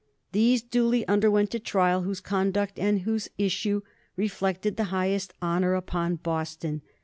These duly underwent a trial whose conduct and whose issue reflect the highest honor upon Boston.